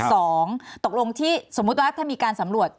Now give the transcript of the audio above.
สองตกลงที่สมมุติว่าถ้ามีการสำรวจ